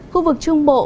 khu vực trung bộ